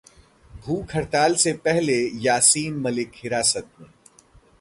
भूख हड़ताल से पहले यासीन मलिक हिरासत में